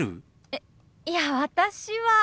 えいや私は。